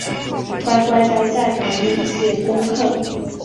乖乖待在房里写功课